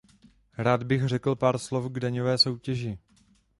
Rád bych řekl pár slov k daňové soutěži.